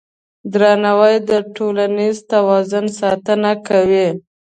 درناوی د ټولنیز توازن ساتنه کوي.